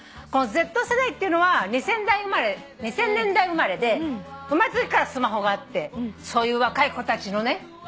このＺ世代っていうのは２０００年代生まれで生まれたときからスマホがあってそういう若い子たちのね